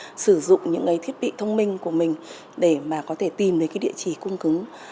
mình sử dụng những cái thiết bị thông minh của mình để mà có thể tìm được cái địa chỉ cung cứng